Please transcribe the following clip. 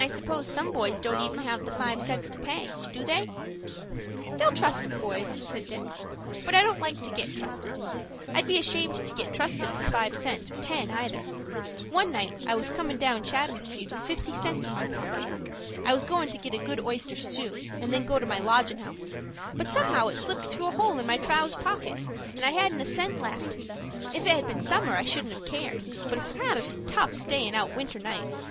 "I suppose some boys don't even have the five cents to pay,—do they?" "They'll trust the boys," said Dick. "But I don't like to get trusted. I'd be ashamed to get trusted for five cents, or ten either. One night I was comin' down Chatham Street, with fifty cents in my pocket. I was goin' to get a good oyster stew, and then go to the lodgin' house; but somehow it slipped through a hole in my trowses pocket, and I hadn't a cent left. If it had been summer I shouldn't have cared, but it's rather tough stayin' out winter nights."